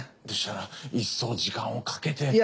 でしたらいっそう時間をかけて。